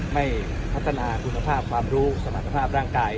ไม่พัฒนาคุณภาพความรู้สมรรถภาพร่างกาย